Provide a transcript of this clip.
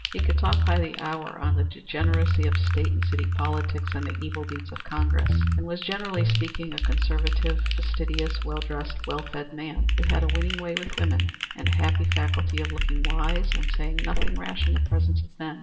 He could talk by the hour on the degeneracy of state and city politics and the evil deeds of Congress, and was, generally speaking, a conservative, fastidious, well dressed, well fed man, who had a winning way with women and a happy faculty of looking wise and saying nothing rash in the presence of men.